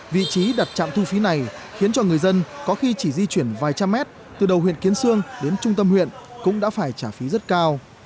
vị trí đặt trạm thu phí này khiến cho người dân có khi chỉ di chuyển vài trăm mét từ đầu huyện kiến sương đến trung tâm huyện cũng đã phải trả phí rất cao